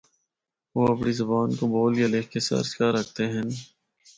او اپنڑی زبان کو بول یا لکھ کے سرچ کر ہکدے ہن۔